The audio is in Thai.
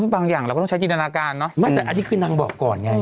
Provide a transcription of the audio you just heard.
บางอย่างเราก็ต้องใช้จินตนาการเนอะไม่แต่อันนี้คือนางบอกก่อนไง